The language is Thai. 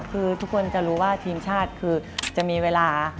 คือทุกคนจะรู้ว่าทีมชาติคือจะมีเวลา